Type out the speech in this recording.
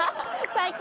最高。